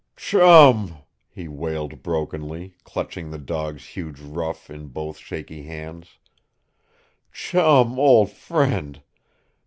"Chum!" he wailed brokenly, clutching the dog's huge ruff in both shaky hands. "Chum, old friend!